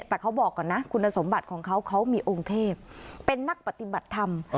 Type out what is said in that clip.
แต่เขาบอกก่อนนะคุณสมบัติของเขาเขามีองค์เทพเป็นนักปฏิบัติธรรม